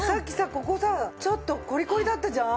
ここさちょっとコリコリだったじゃん？